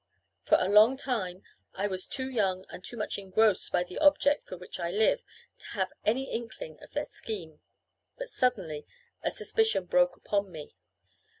For a long time, I was too young, and too much engrossed by the object for which I lived, to have any inkling of their scheme; but suddenly a suspicion broke upon me.